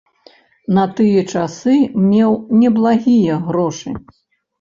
На тыя часы меў неблагія грошы.